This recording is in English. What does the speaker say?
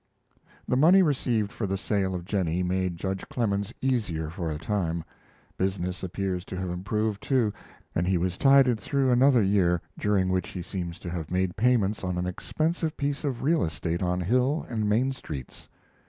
The money received for the sale of Jennie made judge Clemens easier for a time. Business appears to have improved, too, and he was tided through another year during which he seems to have made payments on an expensive piece of real estate on Hill and Main streets.